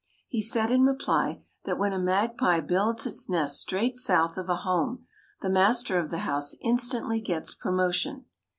He said in reply that when a magpie builds its nest straight south of a home the master of the house instantly gets promotion.